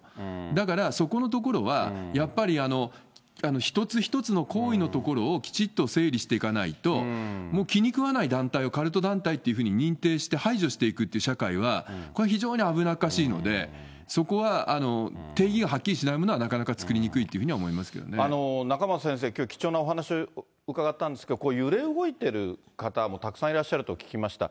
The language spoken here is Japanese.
だから、そこのところは、やっぱり、一つ一つの行為のところをきちっと整理していかないと、もう気に食わない団体をカルト団体っていうふうに認定して排除していくって社会は、これは非常に危なっかしいので、そこは、定義がはっきりしないものはなかなか作りにくいっていうふうには仲正先生、きょう、貴重なお話を伺ったんですけど、揺れ動いてる方もたくさんいらっしゃると聞きました。